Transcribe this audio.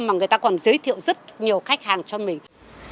mà người ta còn giới thiệu rất nhiều khách hàng cho mình